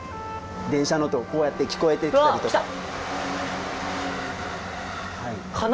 電車の音、こうやって聞こえてきたりとか。